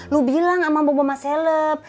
lu bilang sama bu mama selep